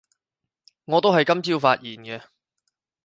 我都係今朝發現嘅